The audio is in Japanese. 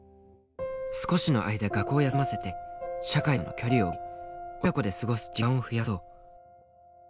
「少しの間学校を休ませて社会との距離を置き親子で過ごす時間を増やそう」。